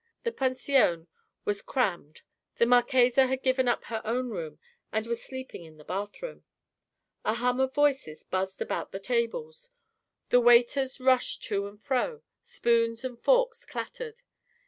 The pension was crammed: the marchesa had given up her own room and was sleeping in the bath room. A hum of voices buzzed around the tables; the waiters rushed to and fro; spoons and forks clattered.